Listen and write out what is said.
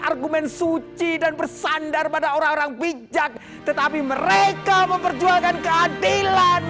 argumen suci dan bersandar pada orang orang bijak tetapi mereka memperjuangkan keadilan